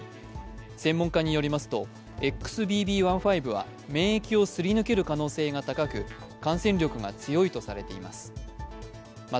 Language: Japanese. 専門家によりますとＸＢＢ．１．５は免疫をすり抜ける可能性が高く感染力が強いとされています。